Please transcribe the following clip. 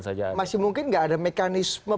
saja ada masih mungkin gak ada mekanisme